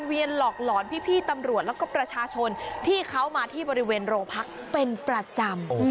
หลอกหลอนพี่ตำรวจแล้วก็ประชาชนที่เขามาที่บริเวณโรงพักเป็นประจำ